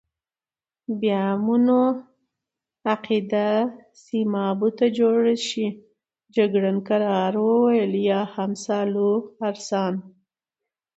بیا مو نو عقیده سیمابو ته جوړه شي، جګړن کرار وویل: یا هم سالوارسان.